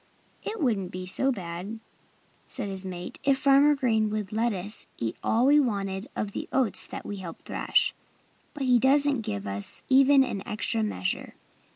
"It wouldn't be so bad," said his mate, "if Farmer Green would let us eat all we wanted of the oats that we help thrash. But he doesn't give us even an extra measure."